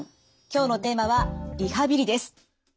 今日のテーマは「リハビリ」です。